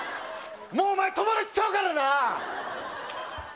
もうお前友達ちゃうからな！